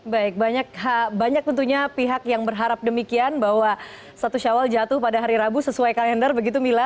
baik banyak tentunya pihak yang berharap demikian bahwa satu syawal jatuh pada hari rabu sesuai kalender begitu mila